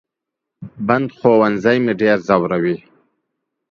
بند ښوونځي مې ډېر زوروي